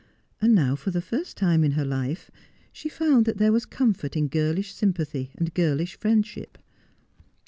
And now, for the first time in her life, she found that there was comfort in girlish sympathy and girlish friendship.